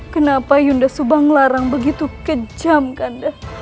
kenapa yunda subang larang begitu kejam kanda